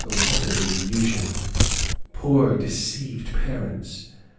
Oh, what a delusion! Poor deceived parents!